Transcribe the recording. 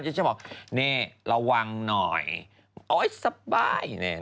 ช่วยบอกนี่ระวังหน่อยโอ๊ยสบาย